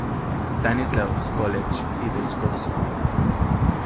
Stanislaus College y The Scots School.